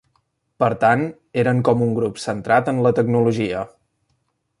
Per tant, eren com un grup "centrat en la tecnologia".